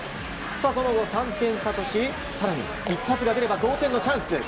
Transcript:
その後、３点差としてさらに一発が出れば同点のチャンス。